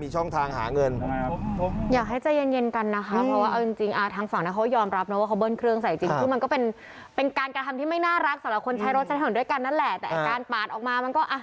มีอยู่นะฮะเห็นไหมครับ